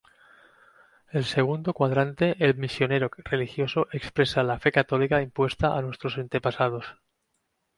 El segundo cuadrante el misionero religioso expresa la fe católica impuesta a nuestros antepasados.